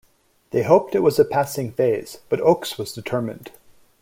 They hoped it was a passing phase, but Ochs was determined.